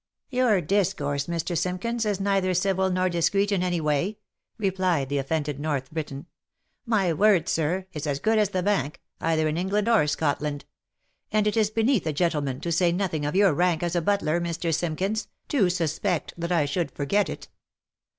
," Your discourse, Mr. Simkins, is neither civil nor discreet in any way,*' replied the offended North Briton :" my word, sir, is as good as the bank, either in England or Scotland ; and it is beneath a gentleman, to say nothing of your rank as a butler, Mr. Simkins, to suspect that I should forget it."